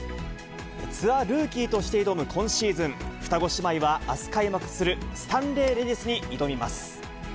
ツアールーキーとして挑む今シーズン、双子姉妹はあす開幕するスタンレーレディスに挑みます。